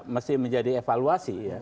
masih menjadi evaluasi ya